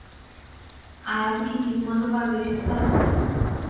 আয়া কি ঠিকমত পারবে এ-সব কাজ।